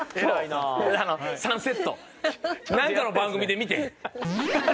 なんかの番組で見て。